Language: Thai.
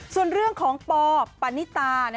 ส่วนเรื่องของปอปานิตา